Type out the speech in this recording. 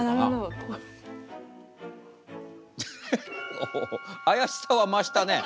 おお怪しさは増したね。